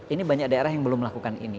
ini banyak daerah yang belum melakukan ini